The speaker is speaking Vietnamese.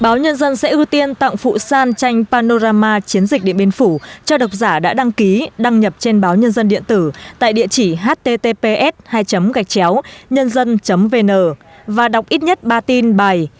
báo nhân dân sẽ ưu tiên tặng phụ san tranh panorama chiến dịch điện biên phủ cho độc giả đã đăng ký đăng nhập trên báo nhân dân điện tử tại địa chỉ https hai gạch chéo nhândân vn và đọc ít nhất ba tin bài